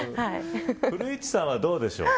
古市さんは、どうでしょう。